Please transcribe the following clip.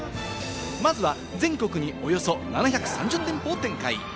まずは全国におよそ７３０店舗を展開。